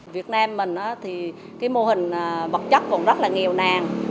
việt nam mình á thì cái mô hình vật chất còn rất là nghèo nàn